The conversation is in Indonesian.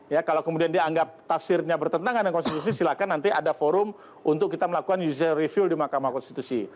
ya kalau kemudian dianggap tafsirnya bertentangan dengan konstitusi silahkan nanti ada forum untuk kita melakukan judicial review di mahkamah konstitusi